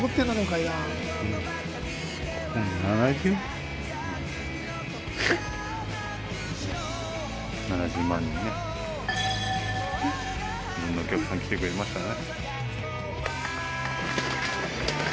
いろんなお客さん来てくれましたね。